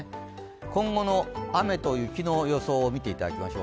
今後の雨と雪の予想を見ていただきましょう。